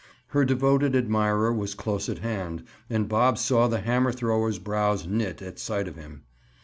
Her devoted admirer was close at hand and Bob saw the hammer thrower's brows knit at sight of him.